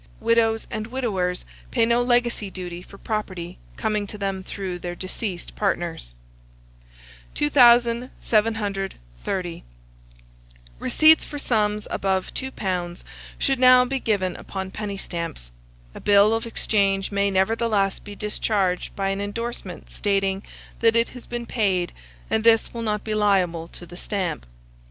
Widows and widowers pay no legacy duty for property coming to them through their deceased partners. 2730. RECEIPTS for sums above £2 should now be given upon penny stamps. A bill of exchange may nevertheless be discharged by an indorsement stating that it has been paid, and this will not be liable to the stamp.